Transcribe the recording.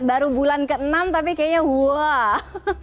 baru bulan ke enam tapi kayaknya wah